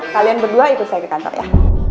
kalian berdua ikut saya ke kantor ya